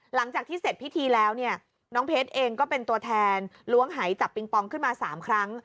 หลังจากที่เสร็จพิธีแล้วเนี่ยน้องเพชรเองก็เป็นตัวแทนล้วงหายจับปิงปองขึ้นมา๓ครั้ง